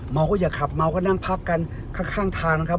ก็จะได้พบเจอแต่ความสุขแล้วก็ขอให้เริ่มต้นปีใหม่ของคนไทยนะครับ